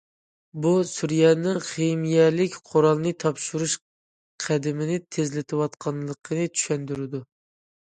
بۇ سۈرىيەنىڭ خىمىيەلىك قورالنى تاپشۇرۇش قەدىمىنى تېزلىتىۋاتقانلىقىنى چۈشەندۈرىدۇ.